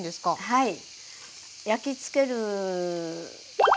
はい。